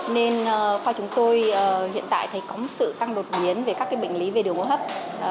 nên khoa chúng tôi hiện tại thì có một sự tăng đột biến về các bệnh lý về đường hô hấp